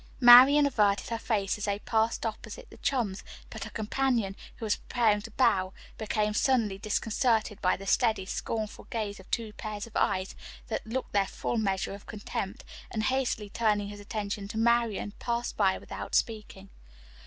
Marian averted her face as they passed opposite the chums, but her companion, who was preparing to bow, became suddenly disconcerted by the steady, scornful gaze of two pairs of eyes, that looked their full measure of contempt, and hastily turning his attention to Marian passed by without speaking.